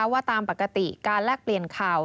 ว่าตามปกติการแลกเปลี่ยนข่าว